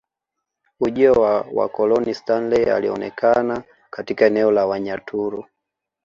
Ujio wa wakoloni Stanley alionekana katika eneo la Wanyaturu